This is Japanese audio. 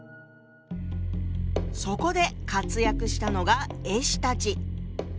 そこで活躍したのが絵師たち！